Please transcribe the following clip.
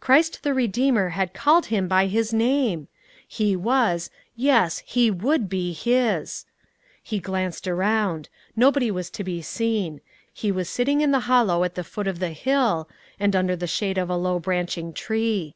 Christ the Redeemer had called him by his name! He was yes, he would be His! He glanced around. Nobody was to be seen; he was sitting in the hollow at the foot of the hill, and under the shade of a low branching tree.